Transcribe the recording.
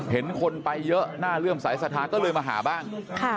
เห็นคนไปเยอะน่าเลื่อมสายศรัทธาก็เลยมาหาบ้าง